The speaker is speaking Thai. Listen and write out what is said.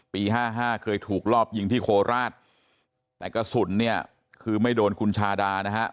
ห้าห้าเคยถูกรอบยิงที่โคราชแต่กระสุนเนี่ยคือไม่โดนคุณชาดานะฮะ